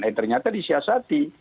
eh ternyata disiasati